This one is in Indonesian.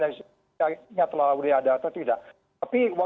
yang pasang pasang yangculo dahulu itu hebtan dulu itu tentunya bisa itu tenggelam